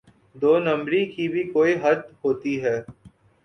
دو نمبری کی بھی کوئی حد ہوتی ہے۔